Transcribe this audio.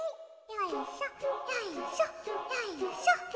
よいしょよいしょよいしょ。